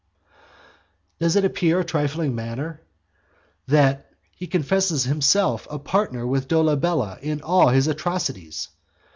Does it appear a trifling matter, that he confesses himself a partner with Dolabella in all his atrocities?